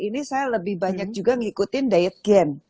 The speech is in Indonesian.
ini saya lebih banyak juga ngikutin diet gen